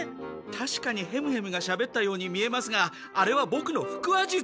たしかにヘムヘムがしゃべったように見えますがあれはボクの腹話術。